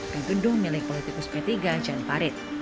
ke gedung milik politikus p tiga jan parit